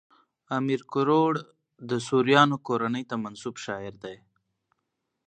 امیر کروړ د سوریانو کورنۍ ته منسوب شاعر دﺉ.